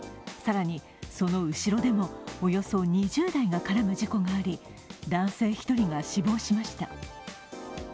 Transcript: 更に、その後ろでもおよそ２０台が絡む事故があり、男性１人が死亡しました。